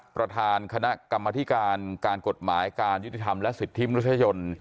ประธานคณะกรรมธิการการกฎหมายการยุติธรรมและสิทธิมนุษยชน